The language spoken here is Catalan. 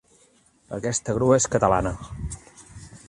Aquesta grua és catalana.